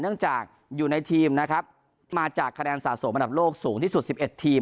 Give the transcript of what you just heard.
เนื่องจากอยู่ในทีมนะครับมาจากคะแนนสะสมอันดับโลกสูงที่สุด๑๑ทีม